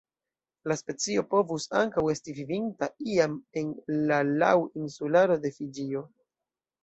La specio povus ankaŭ esti vivinta iam en la Lau Insularo de Fiĝio.